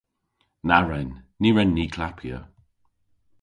Na wren. Ny wren ni klappya.